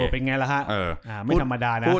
เป็นไงล่ะฮะไม่ธรรมดานะ